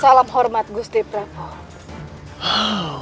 salam hormat gusti prabu